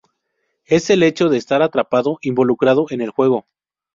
Es el hecho de estar atrapado, involucrado en el juego.